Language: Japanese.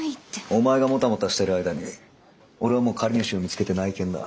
お前がモタモタしてる間に俺はもう借り主を見つけて内見だ。